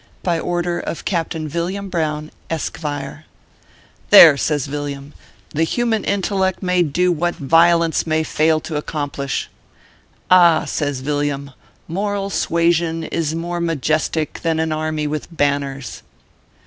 By order of CAPTAIN YILLIAM BROWN, Eskevire. " There/ says Villiam, " the human intelleck may do what violence might fail to accomplish. "Ah !" says Villiam, "moral suasion is more majestik than an army with banners."